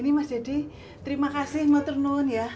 ini mas deddy terima kasih mau ternun ya